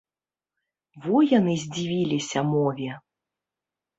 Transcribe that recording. Во яны здзівіліся мове!